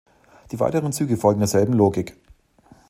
Die weiteren Züge folgen derselben Logik.